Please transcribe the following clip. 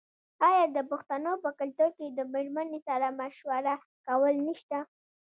آیا د پښتنو په کلتور کې د میرمنې سره مشوره کول نشته؟